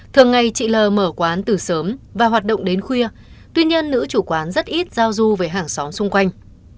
thường ngày chị l mở quán từ sớm và hoạt động đến khuya tuy nhiên nữ chủ quán rất ít giao du với hàng xóm xung quanh